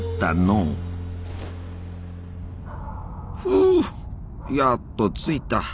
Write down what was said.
ふうやっと着いた。